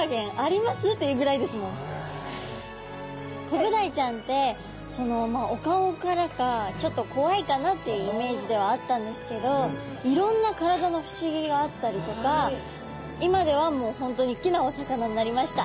コブダイちゃんってそのまあお顔からかちょっとこわいかなっていうイメージではあったんですけどいろんな体の不思議があったりとか今ではもう本当に好きなお魚になりました。